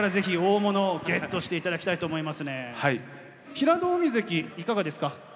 平戸海関いかがですか？